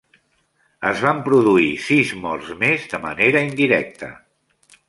Es van produir sis morts més de manera indirecta.